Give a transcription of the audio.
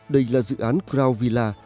đây là dự án crown villa